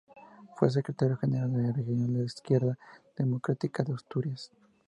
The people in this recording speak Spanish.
Fue secretario general regional de Izquierda Democrática en Asturias.